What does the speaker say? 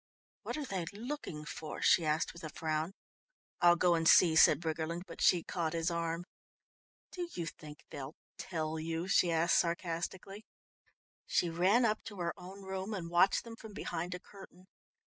"What are they looking for?" she asked with a frown. "I'll go and see," said Briggerland, but she caught his arm. "Do you think they'll tell you?" she asked sarcastically. She ran up to her own room and watched them from behind a curtain.